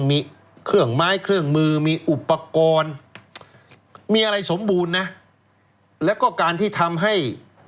มีเครื่องไม้เครื่องมือมีอุปกรณ์มีอะไรสมบูรณ์นะแล้วก็การที่ทำให้